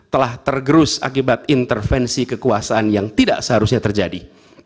telah tergerus akibat intervensi kekuasaan yang tidak seharusnya terjadi